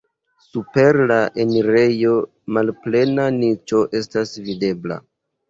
Super la enirejo malplena niĉo estas videbla.